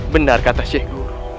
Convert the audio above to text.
benar kata sheikh guru